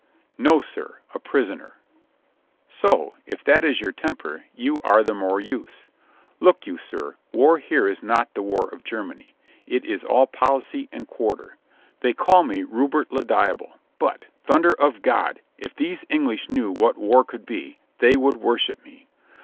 "No, sir; a prisoner." "So. If that is your temper, you are the more use. Look you, sir, war here is not the war of Germany. It is all policy and quarter. They call me Rupert le Diable, but, thunder of God ! if these English knew what war could be, they would worship me.